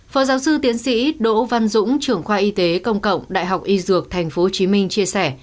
phó giáo sư tiến sĩ đỗ văn dũng trưởng khoa y tế công cộng đại học y dược tp hcm chia sẻ